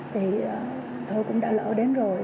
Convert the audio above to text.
thì tôi cũng đã lỡ đến rồi